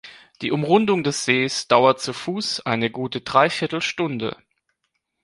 Die Umrundung des Sees dauert zu Fuss eine gute Dreiviertelstunde.